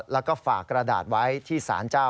แล้วก็ฝากกระดาษไว้ที่สารเจ้า